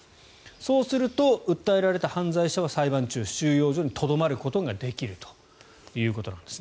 そうすると訴えられた犯罪者は裁判中、収容所にとどまることができるということです。